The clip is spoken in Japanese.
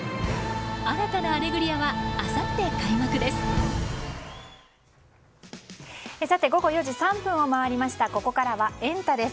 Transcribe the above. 新たな「アレグリア」はあさって開幕です。